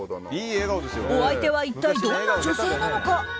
お相手は一体どんな女性なのか。